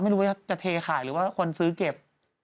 ไม่รู้ว่าจะเทขายหรือว่าคนซื้อเก็บ